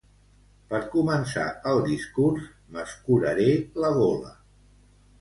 Per començar el discurs, m'escuraré la gola.